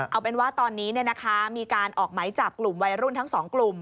เอาเป็นว่าตอนนี้มีการออกไหมจับกลุ่มวัยรุ่นทั้งสองกลุ่ม